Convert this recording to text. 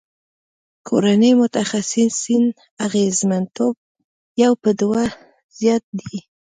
کورني متخصصین اغیزمنتوب یو په دوه زیات دی.